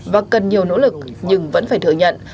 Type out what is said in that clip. và cần nhiều nỗ lực nhưng vẫn phải thừa nhận